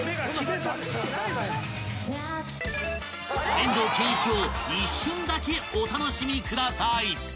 ［遠藤憲一を一瞬だけお楽しみください］